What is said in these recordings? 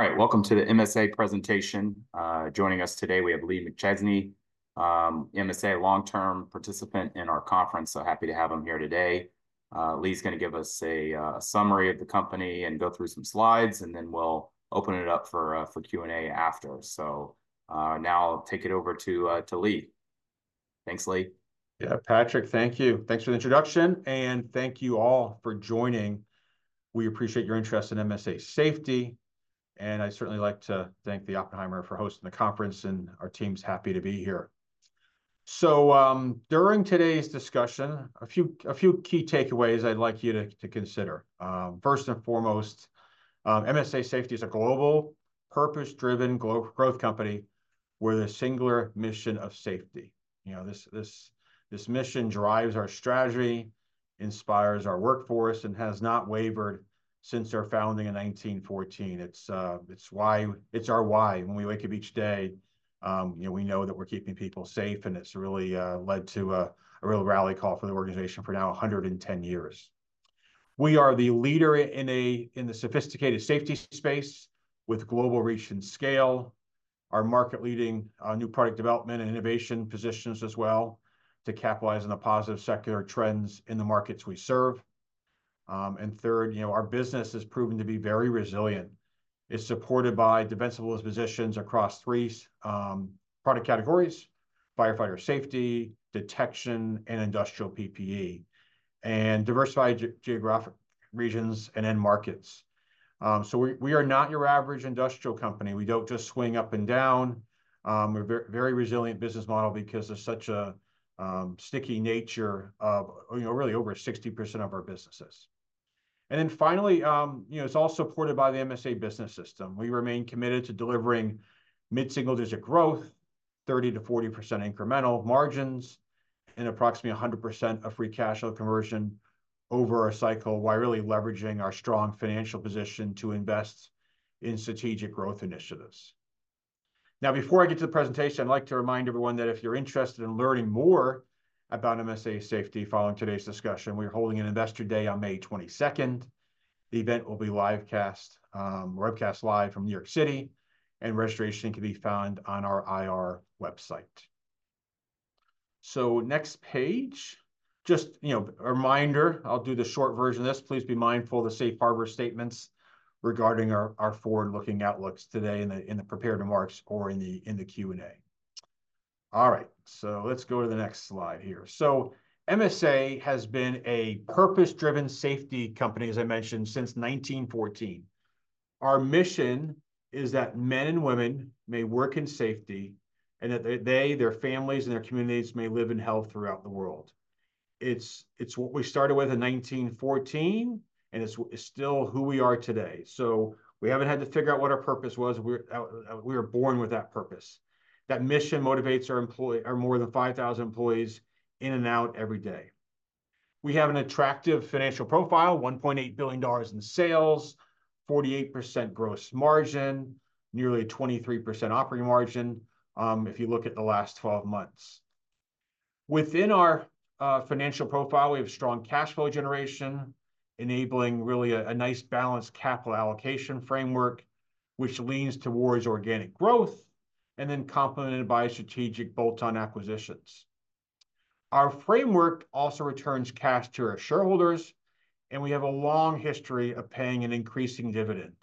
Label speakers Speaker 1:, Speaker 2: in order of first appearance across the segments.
Speaker 1: All right, welcome to the MSA presentation. Joining us today we have Lee McChesney, MSA long-term participant in our conference, so happy to have him here today. Lee's gonna give us a summary of the company and go through some slides, and then we'll open it up for Q&A after. Now I'll take it over to Lee. Thanks, Lee.
Speaker 2: Yeah, Patrick, thank you. Thanks for the introduction, and thank you all for joining. We appreciate your interest in MSA Safety, and I'd certainly like to thank the Oppenheimer for hosting the conference, and our team's happy to be here. During today's discussion, a few key takeaways I'd like you to consider. First and foremost, MSA Safety is a global, purpose-driven growth company with a singular mission of safety. You know, this mission drives our strategy, inspires our workforce, and has not wavered since our founding in 1914. It's why... It's our why. When we wake up each day, you know, we know that we're keeping people safe, and it's really led to a real rally call for the organization for now 110 years. We are the leader in the sophisticated safety space with global reach and scale. Our market-leading new product development and innovation positions as well to capitalize on the positive secular trends in the markets we serve. And third, you know, our business has proven to be very resilient. It's supported by defensible positions across 3 product categories: firefighter safety, detection, and industrial PPE, and diversified geographic regions and end markets. So we are not your average industrial company. We don't just swing up and down. We're a very resilient business model because there's such a sticky nature of, you know, really over 60% of our businesses. And then finally, you know, it's all supported by the MSA business system. We remain committed to delivering mid-single-digit growth, 30%-40% incremental margins, and approximately 100% of free cash flow conversion over a cycle, while really leveraging our strong financial position to invest in strategic growth initiatives. Now, before I get to the presentation, I'd like to remind everyone that if you're interested in learning more about MSA Safety following today's discussion, we're holding an Investor Day on May 22nd. The event will be webcast live from New York City, and registration can be found on our IR website. So next page, just, you know, a reminder, I'll do the short version of this. Please be mindful of the safe harbor statements regarding our forward-looking outlooks today in the Q&A. All right, so let's go to the next slide here. So MSA has been a purpose-driven safety company, as I mentioned, since 1914. Our mission is that men and women may work in safety, and that they, their families, and their communities may live in health throughout the world. It's, it's what we started with in 1914, and it's still who we are today. So we haven't had to figure out what our purpose was. We're, we were born with that purpose. That mission motivates our employee, our more than 5,000 employees, in and out every day. We have an attractive financial profile, $1.8 billion in sales, 48% gross margin, nearly 23% operating margin, if you look at the last twelve months. Within our financial profile, we have strong cash flow generation, enabling really a nice balanced capital allocation framework, which leans towards organic growth, and then complemented by strategic bolt-on acquisitions. Our framework also returns cash to our shareholders, and we have a long history of paying an increasing dividend.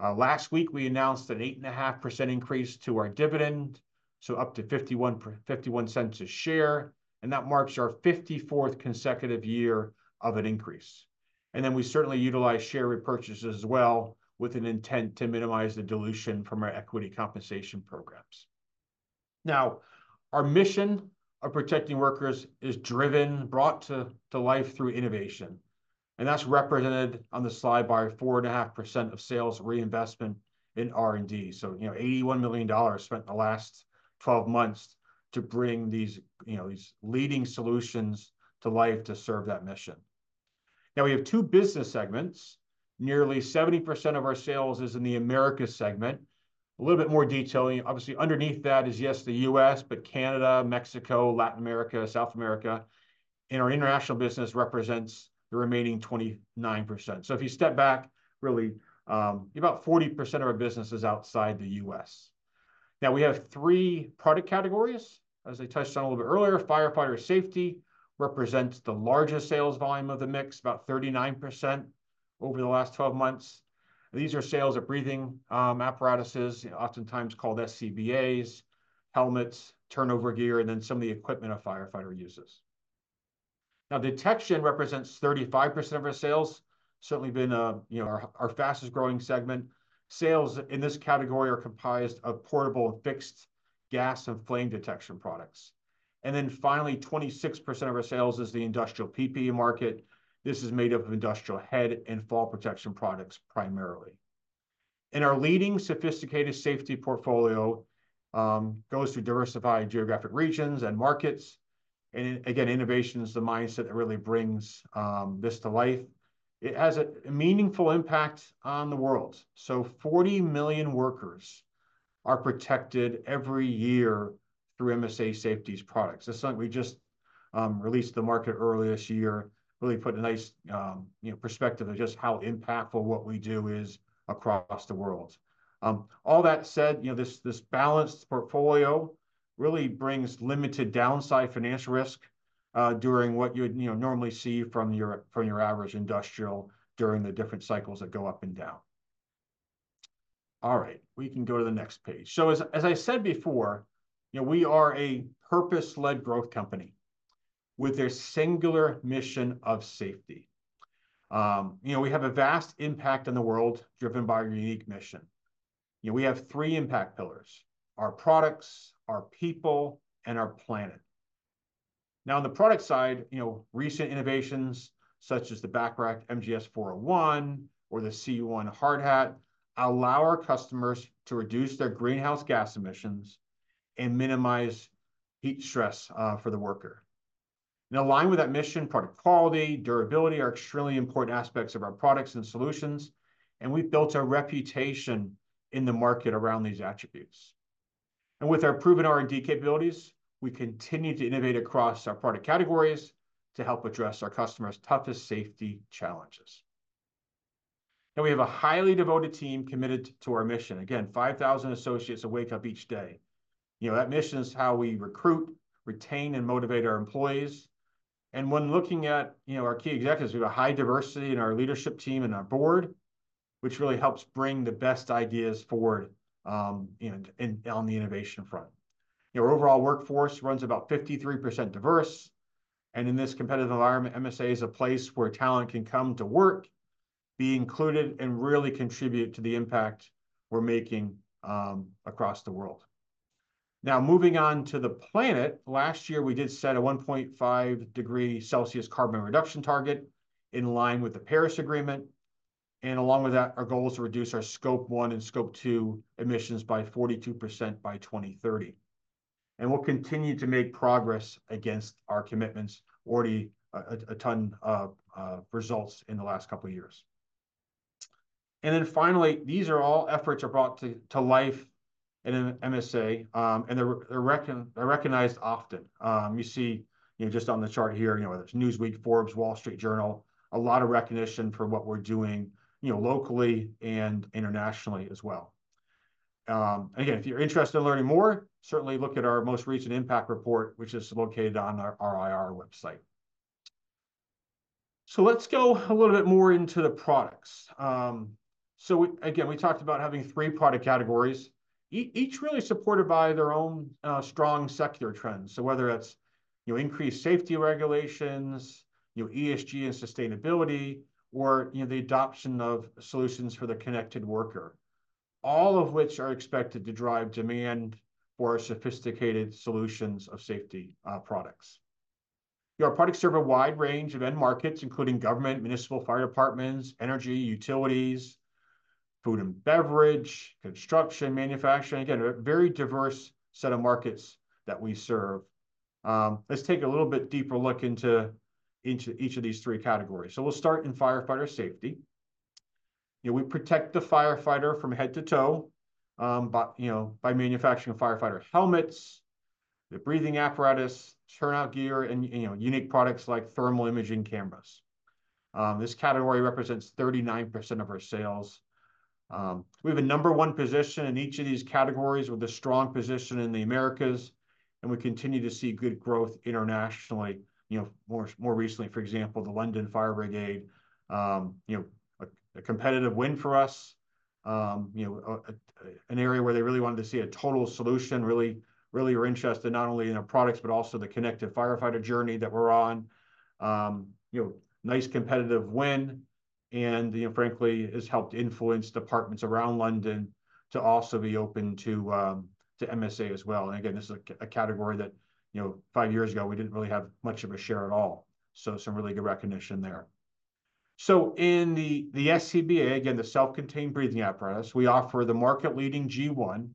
Speaker 2: Last week, we announced an 8.5% increase to our dividend, so up to $0.51 a share, and that marks our 54th consecutive year of an increase. And then we certainly utilize share repurchases as well, with an intent to minimize the dilution from our equity compensation programs. Now, our mission of protecting workers is driven, brought to life through innovation, and that's represented on the slide by 4.5% of sales reinvestment in R&D. So, you know, $81 million spent in the last 12 months to bring these, you know, these leading solutions to life to serve that mission. Now, we have two business segments. Nearly 70% of our sales is in the Americas segment. A little bit more detail, obviously, underneath that is, yes, the US, but Canada, Mexico, Latin America, South America, and our international business represents the remaining 29%. So if you step back, really, about 40% of our business is outside the US. Now, we have three product categories. As I touched on a little bit earlier, firefighter safety represents the largest sales volume of the mix, about 39% over the last 12 months. These are sales of breathing apparatuses, oftentimes called SCBAs, helmets, turnout gear, and then some of the equipment a firefighter uses. Now, detection represents 35% of our sales. Certainly been, you know, our fastest-growing segment. Sales in this category are comprised of portable and fixed gas and flame detection products. And then finally, 26% of our sales is the industrial PPE market. This is made up of industrial head and fall protection products primarily. And our leading sophisticated safety portfolio goes through diversified geographic regions and markets, and again, innovation is the mindset that really brings this to life. It has a meaningful impact on the world. So 40 million workers are protected every year through MSA Safety's products. This is something we just released to the market early this year, really put a nice, you know, perspective of just how impactful what we do is across the world. All that said, you know, this balanced portfolio really brings limited downside financial risk during what you would, you know, normally see from your average industrial during the different cycles that go up and down. All right, we can go to the next page. So as I said before, you know, we are a purpose-led growth company with a singular mission of safety. You know, we have a vast impact on the world, driven by our unique mission. You know, we have three impact pillars: our products, our people, and our planet. Now, on the product side, you know, recent innovations such as the Bacharach MGS-401 or the C1 Hard Hat allow our customers to reduce their greenhouse gas emissions and minimize heat stress for the worker. Now, in line with that mission, product quality, durability, are extremely important aspects of our products and solutions, and we've built a reputation in the market around these attributes. And with our proven R&D capabilities, we continue to innovate across our product categories to help address our customers' toughest safety challenges. Now, we have a highly devoted team committed to our mission. Again, 5,000 associates that wake up each day. You know, that mission is how we recruit, retain, and motivate our employees. And when looking at, you know, our key executives, we have a high diversity in our leadership team and our board, which really helps bring the best ideas forward, on the innovation front. Our overall workforce runs about 53% diverse, and in this competitive environment, MSA is a place where talent can come to work, be included, and really contribute to the impact we're making across the world. Now, moving on to the planet. Last year, we did set a 1.5-degree Celsius carbon reduction target in line with the Paris Agreement, and along with that, our goal is to reduce our Scope 1 and Scope 2 emissions by 42% by 2030. We'll continue to make progress against our commitments, already a ton of results in the last couple of years. Finally, these efforts are brought to life in MSA, and they're recognized often. You see, you know, just on the chart here, you know, there's Newsweek, Forbes, Wall Street Journal, a lot of recognition for what we're doing, you know, locally and internationally as well. Again, if you're interested in learning more, certainly look at our most recent impact report, which is located on our IR website. So let's go a little bit more into the products. So, again, we talked about having three product categories, each really supported by their own, strong secular trends. So whether it's, you know, increased safety regulations, you know, ESG and sustainability, or, you know, the adoption of solutions for the connected worker, all of which are expected to drive demand for sophisticated solutions of safety, products. Our products serve a wide range of end markets, including government, municipal fire departments, energy, utilities, food and beverage, construction, manufacturing. Again, a very diverse set of markets that we serve. Let's take a little bit deeper look into each of these three categories. So we'll start in firefighter safety. You know, we protect the firefighter from head to toe, by, you know, by manufacturing firefighter helmets, their breathing apparatus, turnout gear, and, you know, unique products like thermal imaging cameras. This category represents 39% of our sales. We have a number one position in each of these categories, with a strong position in the Americas, and we continue to see good growth internationally. You know, more recently, for example, the London Fire Brigade, you know, a competitive win for us. You know, an area where they really wanted to see a total solution. Really, they were interested not only in our products, but also the connected firefighter journey that we're on. You know, nice competitive win, and, you know, frankly, has helped influence departments around London to also be open to MSA as well. And again, this is a category that, you know, 5 years ago we didn't really have much of a share at all, so some really good recognition there. So in the SCBA, again, the self-contained breathing apparatus, we offer the market-leading G1,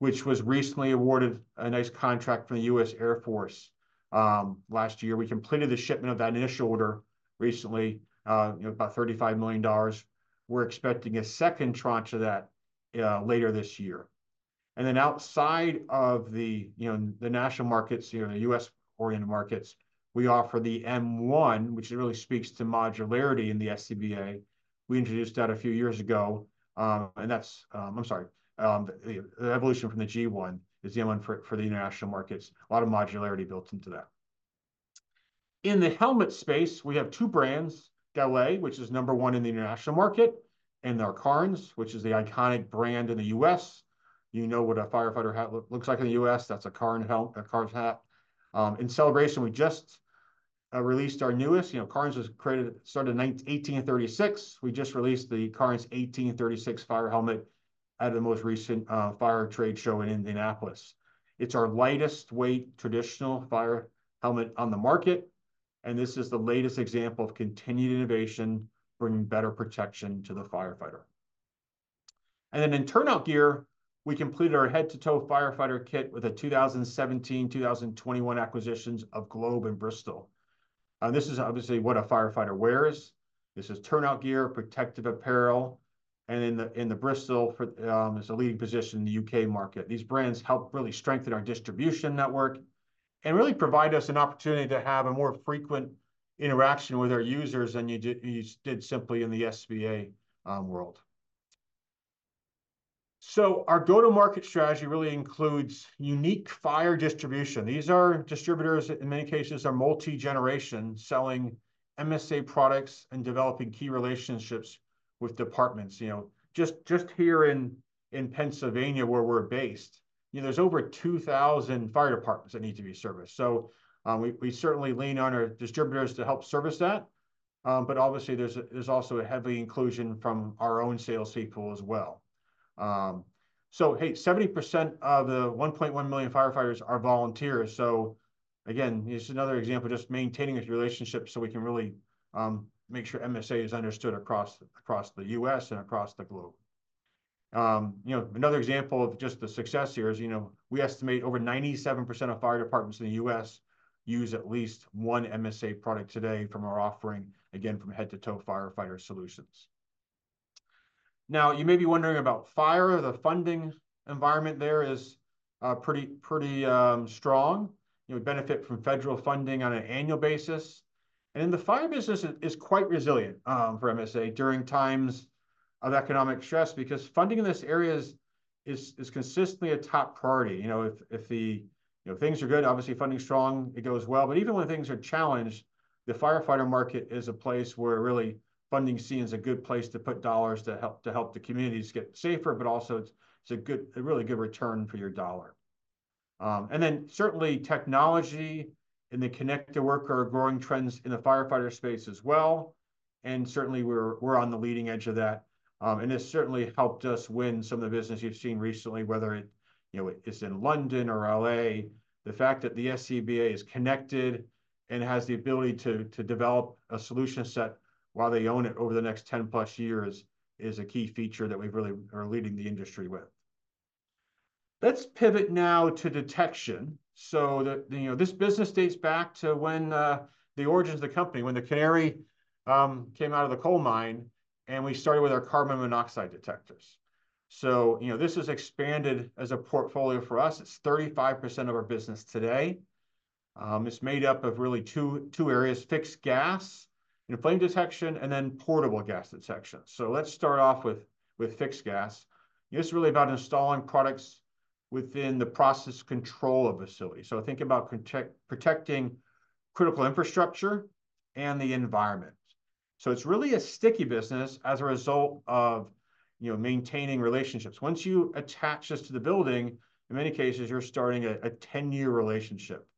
Speaker 2: which was recently awarded a nice contract from the U.S. Air Force. Last year, we completed the shipment of that initial order recently, you know, about $35 million. We're expecting a second tranche of that later this year. And then outside of the, you know, the national markets, you know, the US-oriented markets, we offer the M1, which really speaks to modularity in the SCBA. We introduced that a few years ago, and that's... I'm sorry, the, the evolution from the G1 is the M1 for, for the international markets. A lot of modularity built into that. In the helmet space, we have two brands: Gallet, which is number one in the international market, and our Cairns, which is the iconic brand in the US. You know what a firefighter helmet look, looks like in the US, that's a Cairns helm- a Cairns hat. In celebration, we just released our newest. You know, Cairns was created, started in 1836. We just released the Cairns 1836 fire helmet at the most recent fire trade show in Indianapolis. It's our lightest weight traditional fire helmet on the market, and this is the latest example of continued innovation, bringing better protection to the firefighter. And then in turnout gear, we completed our head-to-toe firefighter kit with 2017 and 2021 acquisitions of Globe and Bristol. This is obviously what a firefighter wears. This is turnout gear, protective apparel, and the Bristol is a leading position in the UK market. These brands help really strengthen our distribution network and really provide us an opportunity to have a more frequent interaction with our users than you did simply in the SCBA world. So our go-to-market strategy really includes unique fire distribution. These are distributors that, in many cases, are multi-generation, selling MSA products and developing key relationships with departments. You know, just here in Pennsylvania, where we're based, you know, there's over 2,000 fire departments that need to be serviced. So, we certainly lean on our distributors to help service that, but obviously, there's also a heavy inclusion from our own sales people as well. So hey, 70% of the 1.1 million firefighters are volunteers. So again, just another example of just maintaining those relationships so we can really make sure MSA is understood across the US and across the globe. You know, another example of just the success here is, you know, we estimate over 97% of fire departments in the US use at least one MSA product today from our offering, again, from head-to-toe firefighter solutions. Now, you may be wondering about fire. The funding environment there is pretty, pretty strong. You would benefit from federal funding on an annual basis, and the fire business is quite resilient for MSA during times of economic stress, because funding in this area is consistently a top priority. You know, if the, you know, things are good, obviously funding is strong, it goes well. But even when things are challenged, the firefighter market is a place where really funding seen as a good place to put dollars to help the communities get safer, but also, it's a good- a really good return for your dollar. And then certainly, technology and the connected worker are growing trends in the firefighter space as well, and certainly we're on the leading edge of that. And it's certainly helped us win some of the business you've seen recently, whether it, you know, it's in London or L.A. The fact that the SCBA is connected and has the ability to, to develop a solution set while they own it over the next 10+ years is a key feature that we really are leading the industry with. Let's pivot now to detection. So the, you know, this business dates back to when, the origins of the company, when the canary, came out of the coal mine, and we started with our carbon monoxide detectors. So, you know, this has expanded as a portfolio for us. It's 35% of our business today. It's made up of really two, two areas: fixed gas, you know, flame detection, and then portable gas detection. So let's start off with, with fixed gas. It's really about installing products within the process control of a facility. So think about protecting critical infrastructure and the environment. So it's really a sticky business as a result of, you know, maintaining relationships. Once you attach this to the building, in many cases, you're starting a ten-year relationship,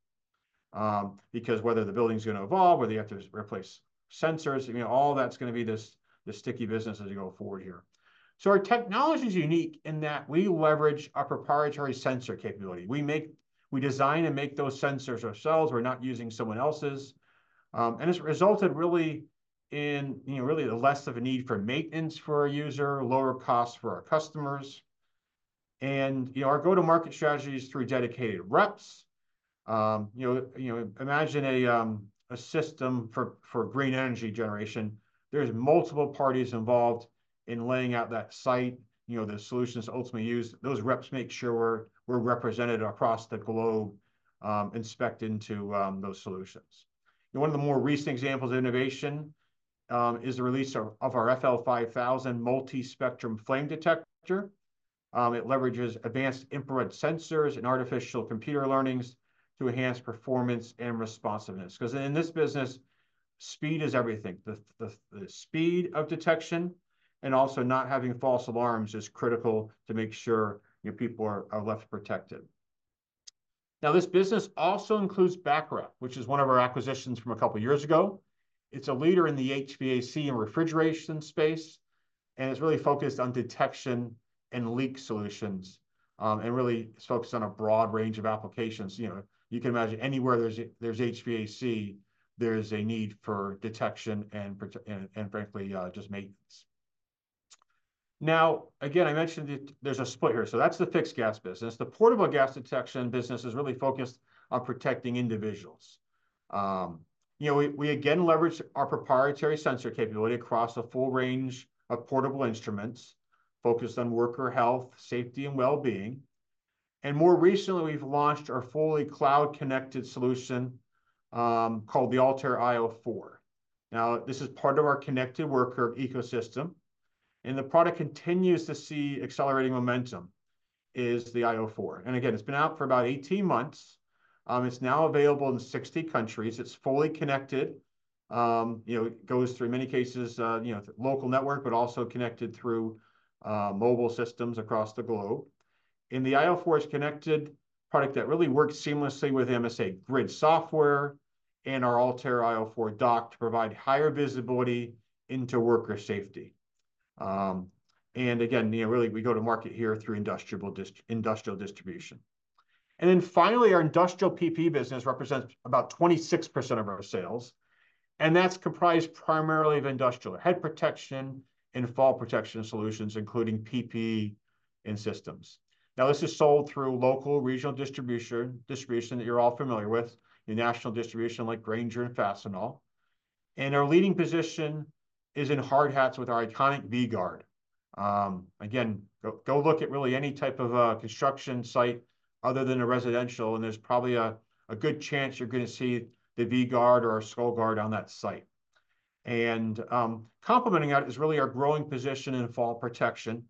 Speaker 2: because whether the building's gonna evolve, whether you have to replace sensors, you know, all that's gonna be this, the sticky business as you go forward here. So our technology is unique in that we leverage our proprietary sensor capability. We design and make those sensors ourselves. We're not using someone else's. And it's resulted really in, you know, really the less of a need for maintenance for our user, lower costs for our customers, and, you know, our go-to-market strategy is through dedicated reps. You know, imagine a system for green energy generation. There's multiple parties involved in laying out that site, you know, the solutions to ultimately use. Those reps make sure we're represented across the globe, inspect into those solutions. One of the more recent examples of innovation is the release of our FL5000 multi-spectrum flame detector. It leverages advanced infrared sensors and AI to enhance performance and responsiveness, 'cause in this business, speed is everything. The speed of detection and also not having false alarms is critical to make sure your people are left protected. Now, this business also includes Bacharach, which is one of our acquisitions from a couple years ago. It's a leader in the HVAC and refrigeration space, and it's really focused on detection and leak solutions, and really is focused on a broad range of applications. You know, you can imagine anywhere there's, there's HVAC, there's a need for detection and protection and, and frankly, just maintenance. Now, again, I mentioned it, there's a split here, so that's the fixed gas business. The portable gas detection business is really focused on protecting individuals. You know, we again leverage our proprietary sensor capability across a full range of portable instruments focused on worker health, safety, and wellbeing. And more recently, we've launched our fully cloud-connected solution, called the ALTAIR io4. Now, this is part of our connected worker ecosystem, and the product continues to see accelerating momentum is the io4. And again, it's been out for about 18 months. It's now available in 60 countries. It's fully connected. You know, it goes through many cases, you know, local network, but also connected through mobile systems across the globe. And the io4's connected product that really works seamlessly with MSA Grid software and our ALTAIR io4 Dock to provide higher visibility into worker safety. And again, you know, really, we go to market here through industrial distribution. And then finally, our industrial PPE business represents about 26% of our sales, and that's comprised primarily of industrial head protection and fall protection solutions, including PPE and systems. Now, this is sold through local regional distribution, distribution that you're all familiar with, your national distribution, like Grainger and Fastenal. And our leading position is in hard hats with our iconic V-Gard. Again, go look at really any type of construction site other than a residential, and there's probably a good chance you're gonna see the V-Gard or our Skullgard on that site. Complementing that is really our growing position in fall protection,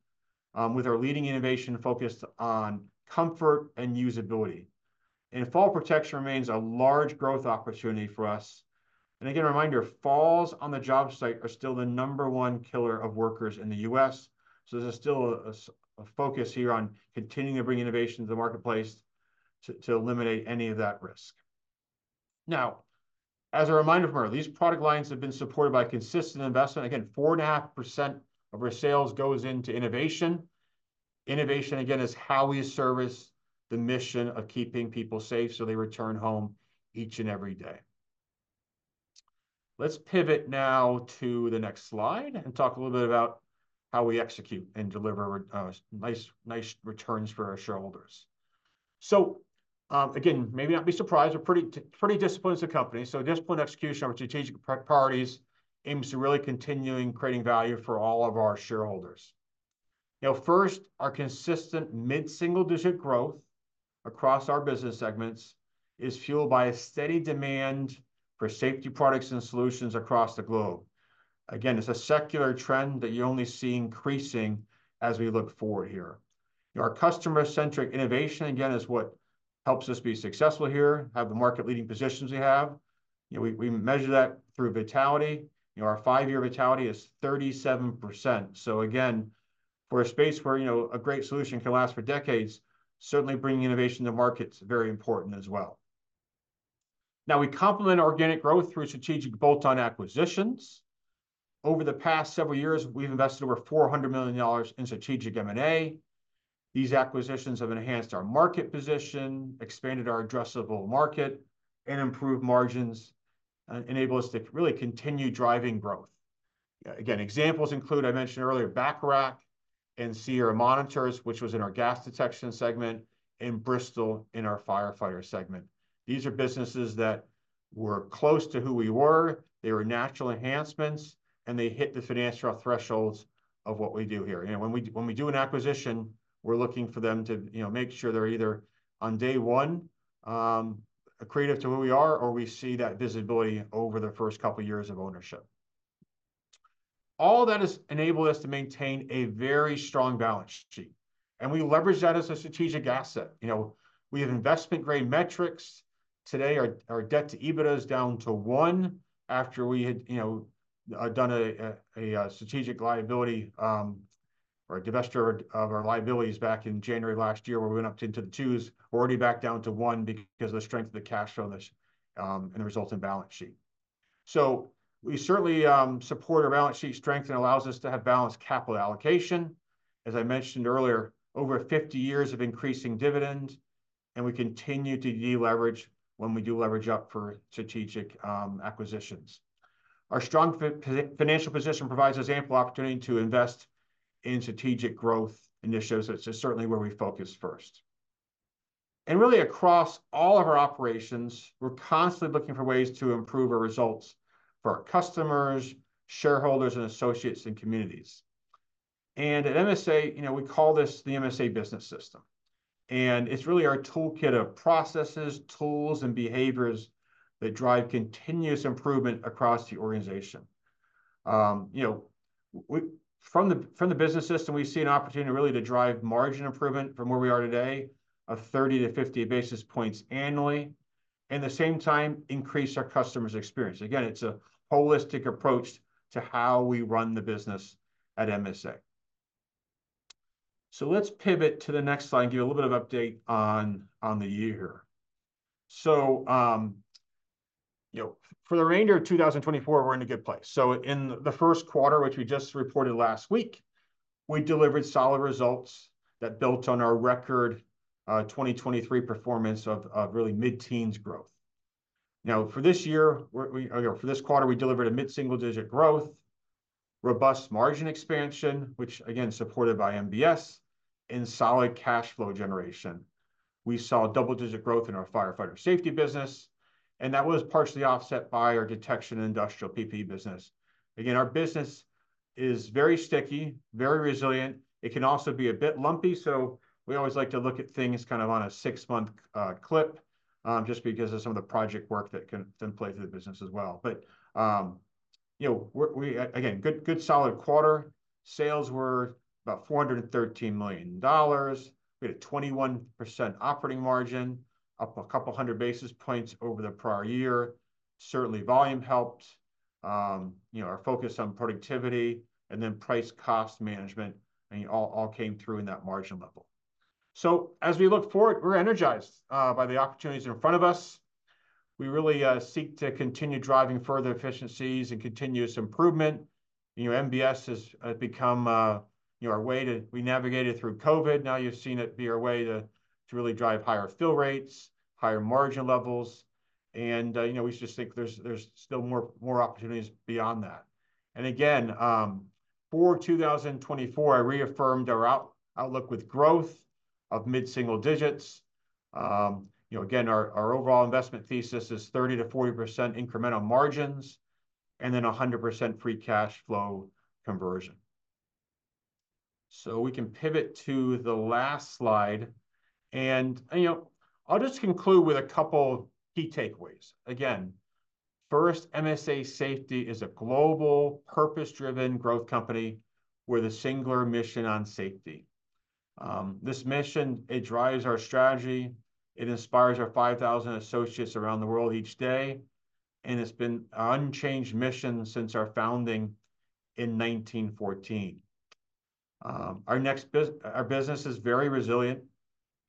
Speaker 2: with our leading innovation focused on comfort and usability. Fall protection remains a large growth opportunity for us. Again, a reminder, falls on the job site are still the number one killer of workers in the U.S., so there's still a focus here on continuing to bring innovation to the marketplace to eliminate any of that risk. Now, as a reminder for you, these product lines have been supported by consistent investment. Again, 4.5% of our sales goes into innovation. Innovation, again, is how we service the mission of keeping people safe so they return home each and every day. Let's pivot now to the next slide and talk a little bit about how we execute and deliver, nice, nice returns for our shareholders. So, again, maybe not be surprised, we're a pretty pretty disciplined as a company, so a disciplined execution of our strategic priorities aims to really continuing creating value for all of our shareholders. Now, first, our consistent mid-single-digit growth across our business segments is fueled by a steady demand for safety products and solutions across the globe. Again, it's a secular trend that you're only seeing increasing as we look forward here. Our customer-centric innovation, again, is what helps us be successful here, have the market-leading positions we have. You know, we measure that through vitality. You know, our five-year vitality is 37%. So again, for a space where, you know, a great solution can last for decades, certainly bringing innovation to market's very important as well. Now, we complement organic growth through strategic bolt-on acquisitions. Over the past several years, we've invested over $400 million in strategic M&A. These acquisitions have enhanced our market position, expanded our addressable market, and improved margins, and enable us to really continue driving growth. Again, examples include, I mentioned earlier, Bacharach and Sierra Monitor, which was in our gas detection segment, and Bristol in our firefighter segment. These are businesses that were close to who we were, they were natural enhancements, and they hit the financial thresholds of what we do here. You know, when we, when we do an acquisition, we're looking for them to, you know, make sure they're either on day one, accretive to who we are, or we see that visibility over the first couple of years of ownership. All that has enabled us to maintain a very strong balance sheet, and we leverage that as a strategic asset. You know, we have investment-grade metrics. Today, our debt to EBITDA is down to one after we had, you know, done a strategic liability, or a divestiture of our liabilities back in January last year, where we went up into the twos. We're already back down to one because of the strength of the cash flow that, and the resulting balance sheet. So we certainly support our balance sheet strength, and allows us to have balanced capital allocation. As I mentioned earlier, over 50 years of increasing dividend, and we continue to deleverage when we do leverage up for strategic acquisitions. Our strong financial position provides us ample opportunity to invest in strategic growth initiatives. It's certainly where we focus first. And really, across all of our operations, we're constantly looking for ways to improve our results for our customers, shareholders, and associates, and communities. And at MSA, you know, we call this the MSA Business System, and it's really our toolkit of processes, tools, and behaviors that drive continuous improvement across the organization. You know, from the business system, we see an opportunity, really, to drive margin improvement from where we are today, of 30-50 basis points annually, and the same time, increase our customers' experience. Again, it's a holistic approach to how we run the business at MSA. So let's pivot to the next slide and give you a little bit of update on the year. So, you know, for the remainder of 2024, we're in a good place. So in the first quarter, which we just reported last week, we delivered solid results that built on our record 2023 performance of really mid-teens growth. Now, you know, for this quarter, we delivered a mid-single-digit growth, robust margin expansion, which, again, supported by MBS, and solid cash flow generation. We saw double-digit growth in our firefighter safety business, and that was partially offset by our detection and industrial PPE business. Again, our business is very sticky, very resilient. It can also be a bit lumpy, so we always like to look at things kind of on a six-month clip, just because of some of the project work that can then play through the business as well. But, you know, we're, we again, good, good solid quarter. Sales were about $413 million. We had a 21% operating margin, up a couple hundred basis points over the prior year. Certainly, volume helped, you know, our focus on productivity, and then price-cost management, and it all, all came through in that margin level. So as we look forward, we're energized by the opportunities in front of us. We really seek to continue driving further efficiencies and continuous improvement. You know, MBS has become, you know, our way to... We navigated through COVID, now you've seen it be our way to really drive higher fill rates, higher margin levels, and, you know, we just think there's still more opportunities beyond that... and again, for 2024, I reaffirmed our outlook with growth of mid-single digits. You know, again, our overall investment thesis is 30%-40% incremental margins, and then 100% free cash flow conversion. So we can pivot to the last slide, and, you know, I'll just conclude with a couple key takeaways. Again, first, MSA Safety is a global, purpose-driven growth company with a singular mission on safety. This mission, it drives our strategy, it inspires our 5,000 associates around the world each day, and it's been our unchanged mission since our founding in 1914. Our business is very resilient.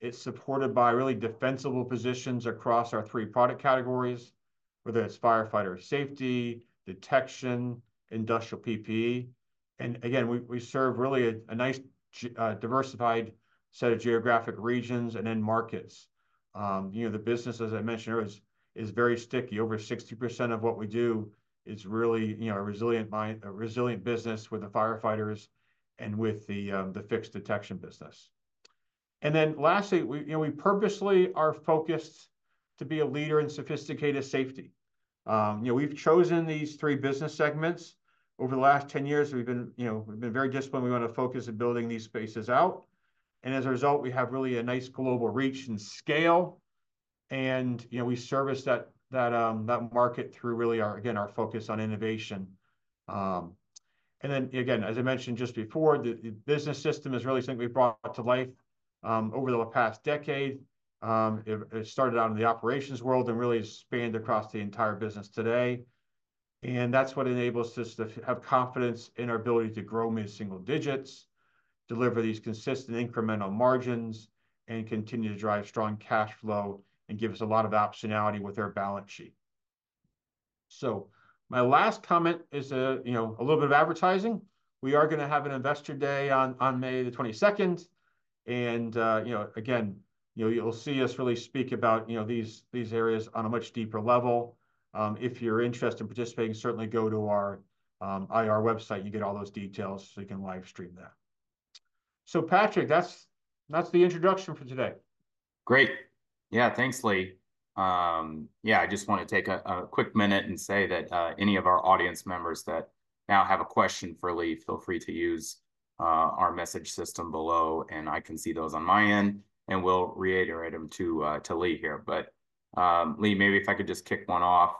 Speaker 2: It's supported by really defensible positions across our three product categories, whether it's firefighter safety, detection, industrial PPE. And again, we serve really a nice diversified set of geographic regions and end markets. You know, the business, as I mentioned earlier, is very sticky. Over 60% of what we do is really, you know, a resilient business with the firefighters and with the fixed detection business. And then lastly, we, you know, we purposely are focused to be a leader in sophisticated safety. You know, we've chosen these three business segments. Over the last 10 years, we've been, you know, very disciplined. We wanna focus on building these spaces out, and as a result, we have really a nice global reach and scale, and, you know, we service that market through really our, again, our focus on innovation. And then, again, as I mentioned just before, the business system is really something we've brought to life over the past decade. It started out in the operations world, and really has spanned across the entire business today, and that's what enables us to have confidence in our ability to grow mid-single digits, deliver these consistent incremental margins, and continue to drive strong cash flow, and give us a lot of optionality with our balance sheet. So my last comment is, you know, a little bit of advertising. We are gonna have an Investor Day on May the 22nd, and you know, again, you know, you'll see us really speak about you know, these areas on a much deeper level. If you're interested in participating, certainly go to our IR website. You get all those details, so you can live stream that. So Patrick, that's the introduction for today.
Speaker 1: Great. Yeah, thanks, Lee. Yeah, I just wanna take a quick minute and say that any of our audience members that now have a question for Lee, feel free to use our message system below, and I can see those on my end, and will reiterate them to Lee here. But, Lee, maybe if I could just kick one off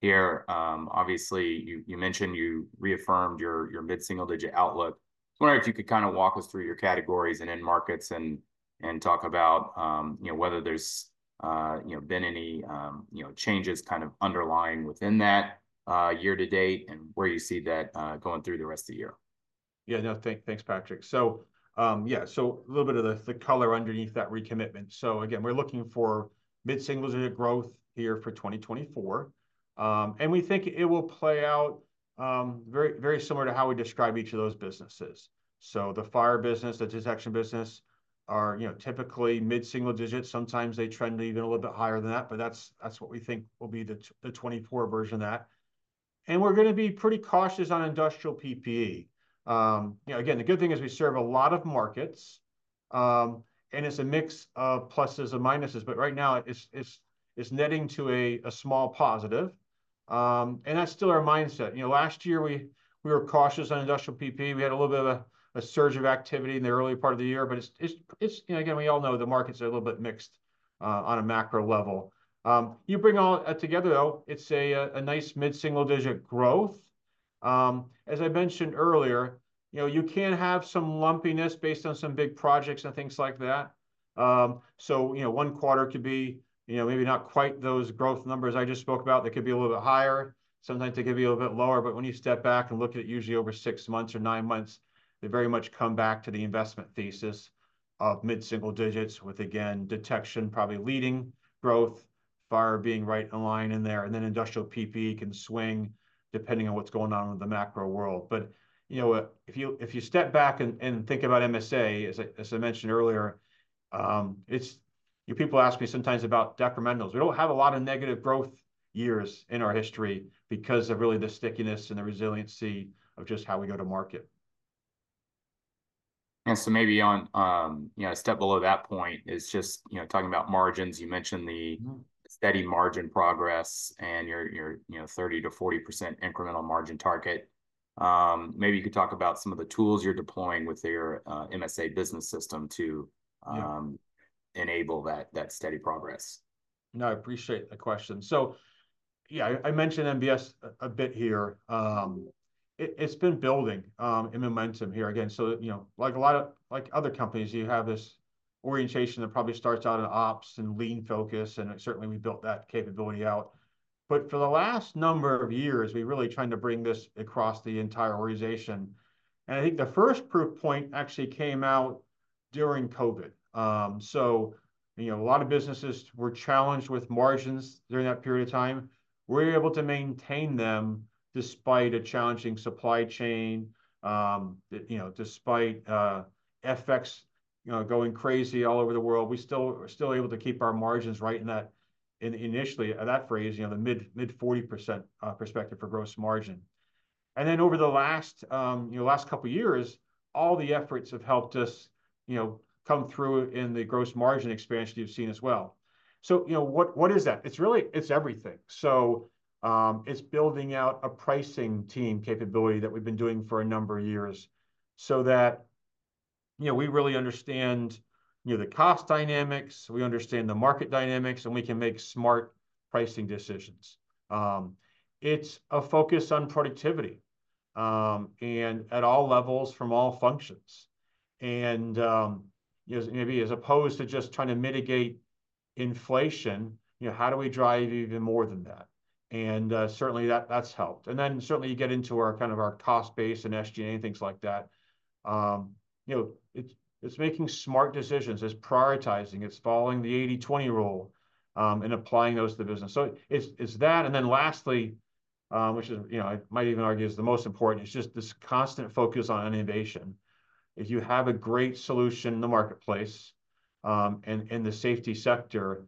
Speaker 1: here. Obviously, you mentioned you reaffirmed your mid-single digit outlook. I was wondering if you could kinda walk us through your categories and end markets, and talk about, you know, whether there's, you know, been any, you know, changes kind of underlying within that, year to date, and where you see that, going through the rest of the year.
Speaker 2: Yeah, no, thanks, Patrick. So, yeah, so a little bit of the color underneath that recommitment. So again, we're looking for mid-single-digit growth here for 2024, and we think it will play out very, very similar to how we describe each of those businesses. So the fire business, the detection business are, you know, typically mid-single digits. Sometimes they trend even a little bit higher than that, but that's what we think will be the 2024 version of that. And we're gonna be pretty cautious on industrial PPE. You know, again, the good thing is we serve a lot of markets, and it's a mix of pluses and minuses, but right now it's netting to a small positive. And that's still our mindset. You know, last year we were cautious on industrial PPE. We had a little bit of a surge of activity in the early part of the year, but it's... You know, again, we all know the markets are a little bit mixed on a macro level. You bring all that together, though, it's a nice mid-single digit growth. As I mentioned earlier, you know, you can have some lumpiness based on some big projects and things like that. So, you know, one quarter could be, you know, maybe not quite those growth numbers I just spoke about. They could be a little bit higher, sometimes they could be a little bit lower, but when you step back and look at it usually over six months or nine months, they very much come back to the investment thesis of mid-single digits, with, again, detection probably leading growth, fire being right in line in there, and then industrial PPE can swing depending on what's going on with the macro world. But, you know, if you step back and think about MSA, as I mentioned earlier, it's. You know, people ask me sometimes about decrementals. We don't have a lot of negative growth years in our history because of really the stickiness and the resiliency of just how we go to market.
Speaker 1: And so maybe on, you know, a step below that point is just, you know, talking about margins. You mentioned the-
Speaker 2: Mm-hmm ...
Speaker 1: steady margin progress and your, your, you know, 30%-40% incremental margin target. Maybe you could talk about some of the tools you're deploying with your MSA Business System to,
Speaker 2: Yeah...
Speaker 1: enable that steady progress.
Speaker 2: No, I appreciate the question. So, yeah, I mentioned MBS a bit here. It's been building in momentum here again, so that, you know, like a lot of other companies, you have this orientation that probably starts out in ops and lean focus, and certainly we built that capability out. But for the last number of years, we're really trying to bring this across the entire organization, and I think the first proof point actually came out during COVID. So, you know, a lot of businesses were challenged with margins during that period of time. We were able to maintain them despite a challenging supply chain, you know, despite effects-... You know, going crazy all over the world, we're still able to keep our margins right in that, initially, at that phase, you know, the mid-40% perspective for gross margin. And then over the last couple years, all the efforts have helped us, you know, come through in the gross margin expansion you've seen as well. So, you know, what is that? It's really, it's everything. So, it's building out a pricing team capability that we've been doing for a number of years, so that, you know, we really understand, you know, the cost dynamics, we understand the market dynamics, and we can make smart pricing decisions. It's a focus on productivity and at all levels from all functions. You know, maybe as opposed to just trying to mitigate inflation, you know, how do we drive even more than that? Certainly that's helped. Then certainly you get into our kind of our cost base and SG&A, things like that. You know, it's making smart decisions, it's prioritizing, it's following the 80/20 rule, and applying those to the business. So it's that, and then lastly, which is, you know, I might even argue is the most important, it's just this constant focus on innovation. If you have a great solution in the marketplace, and the safety sector,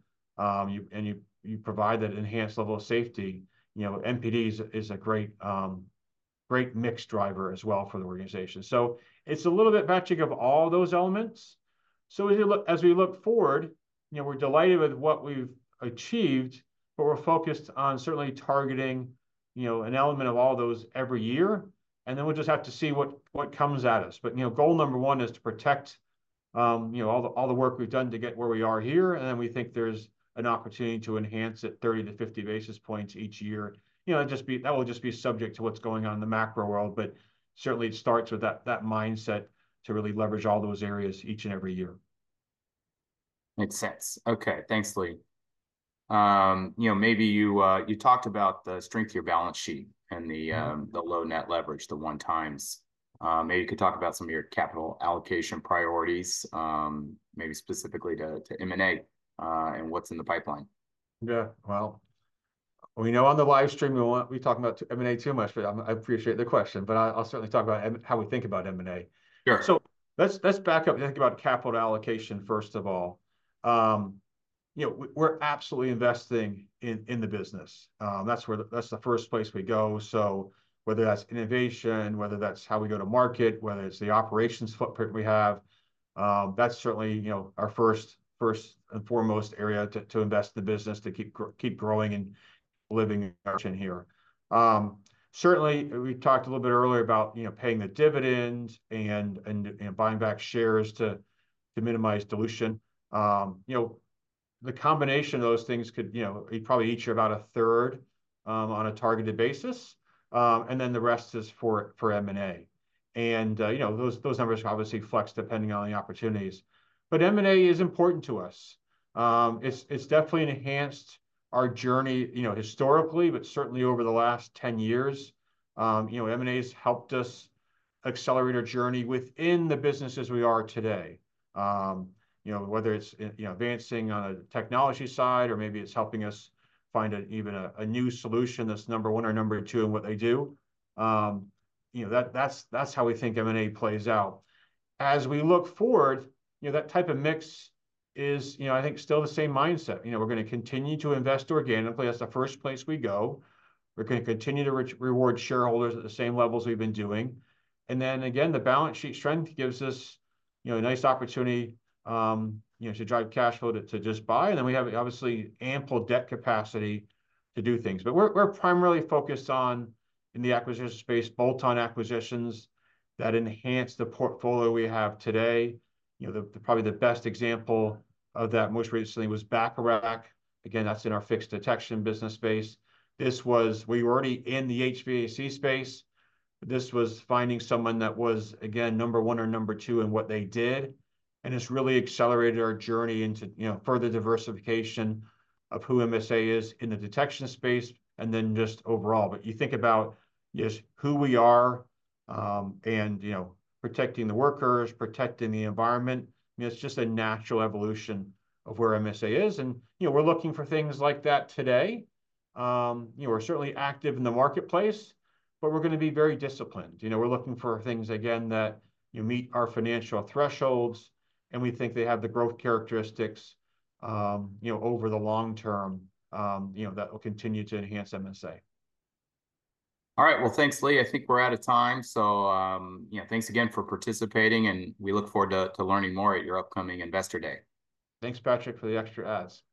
Speaker 2: you provide that enhanced level of safety, you know, NPD is a great mix driver as well for the organization. So it's a little bit matching of all those elements. So as we look, as we look forward, you know, we're delighted with what we've achieved, but we're focused on certainly targeting, you know, an element of all those every year, and then we'll just have to see what comes at us. But, you know, goal number one is to protect, you know, all the work we've done to get where we are here, and then we think there's an opportunity to enhance it 30-50 basis points each year. You know, it'd just be... That will just be subject to what's going on in the macro world, but certainly it starts with that mindset to really leverage all those areas each and every year.
Speaker 1: Makes sense. Okay, thanks, Lee. You know, maybe you, you talked about the strength of your balance sheet and the, the low net leverage, the 1x. Maybe you could talk about some of your capital allocation priorities, maybe specifically to, to M&A, and what's in the pipeline?
Speaker 2: Yeah, well, we know on the live stream we won't be talking about M&A too much, but I appreciate the question, but I'll certainly talk about how we think about M&A.
Speaker 1: Sure.
Speaker 2: So let's back up and think about capital allocation, first of all. You know, we're absolutely investing in the business. That's where, that's the first place we go, so whether that's innovation, whether that's how we go to market, whether it's the operations footprint we have, that's certainly, you know, our first and foremost area to invest the business, to keep growing and living in action here. Certainly, we talked a little bit earlier about, you know, paying the dividends and buying back shares to minimize dilution. You know, the combination of those things could, you know, be probably each about a third, on a targeted basis, and then the rest is for M&A. You know, those numbers obviously flex depending on the opportunities. But M&A is important to us. It's, it's definitely enhanced our journey, you know, historically, but certainly over the last 10 years. You know, M&A's helped us accelerate our journey within the business as we are today. You know, whether it's, you know, advancing on a technology side, or maybe it's helping us find a, even a, a new solution that's number one or number two in what they do, you know, that's, that's how we think M&A plays out. As we look forward, you know, that type of mix is, you know, I think, still the same mindset. You know, we're gonna continue to invest organically, that's the first place we go. We're gonna continue to reward shareholders at the same levels we've been doing. And then again, the balance sheet strength gives us, you know, a nice opportunity, you know, to drive cash flow to just buy, and then we have obviously ample debt capacity to do things. But we're primarily focused on, in the acquisition space, bolt-on acquisitions that enhance the portfolio we have today. You know, the probably the best example of that most recently was Bacharach. Again, that's in our fixed detection business space. This was... We were already in the HVAC space, but this was finding someone that was, again, number one or number two in what they did, and it's really accelerated our journey into, you know, further diversification of who MSA is in the detection space, and then just overall. You think about just who we are, you know, protecting the workers, protecting the environment, you know, it's just a natural evolution of where MSA is. You know, we're looking for things like that today. You know, we're certainly active in the marketplace, but we're gonna be very disciplined. You know, we're looking for things, again, that, you know, meet our financial thresholds, and we think they have the growth characteristics, you know, over the long term, you know, that will continue to enhance MSA.
Speaker 1: All right. Well, thanks, Lee. I think we're out of time, so, you know, thanks again for participating, and we look forward to learning more at your upcoming Investor Day.
Speaker 2: Thanks, Patrick, for the extra ads.